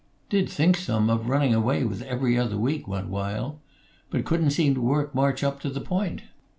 Did think some of running away with 'Every Other Week' one while, but couldn't seem to work March up to the point."